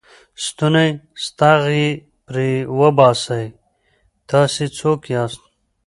ستونی ستغ یې پرې وباسئ، تاسې څوک یاست؟